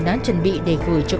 đã chuẩn bị để gửi cho con